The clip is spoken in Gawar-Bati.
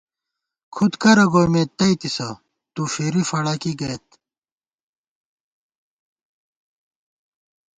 کھُد کرہ گومېت تئیتِسہ تُو فِری فَڑَکی گئیت